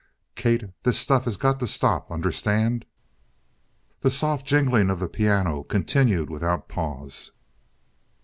"Kate, this stuff has got to stop. Understand?" The soft jingling of the piano continued without pause.